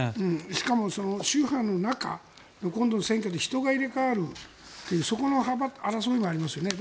しかも宗派の中で今度、選挙で人が入れ替わるというそこの争いもありますよね。